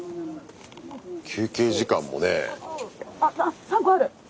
休憩時間もね。